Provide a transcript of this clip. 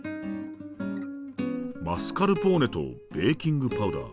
マスカルポーネとベーキングパウダー。